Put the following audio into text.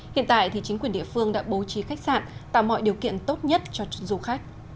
hiện tại thì chính quyền địa phương đã bố trí khách sạn tạo mọi điều kiện tốt nhất cho du khách